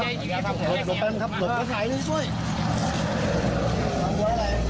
เออเดี๋ยวสอยกว่า